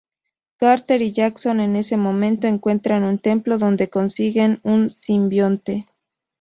Carter y Jackson en ese momento encuentran un templo, donde consiguen un simbionte.